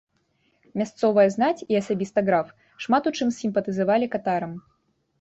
Мясцовая знаць і асабіста граф шмат у чым сімпатызавалі катарам.